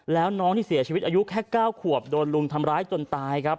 แล้วน้องที่เสียชีวิตอายุแค่๙ขวบโดนลุงทำร้ายจนตายครับ